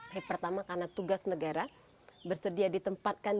yang pertama karena tugas negara bersedia ditempatkan